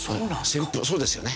そうですよね。